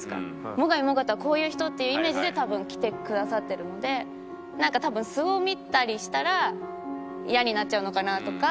最上もがとはこういう人っていうイメージで多分来てくださってるのでなんか多分素を見たりしたらイヤになっちゃうのかなとか。